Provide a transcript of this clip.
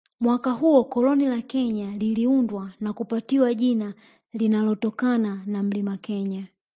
Mwaka huo koloni la Kenya liliundwa na kupatiwa jina linalotokana na Mlima Kenya